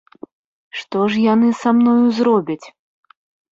Што ж яны са мною зробяць?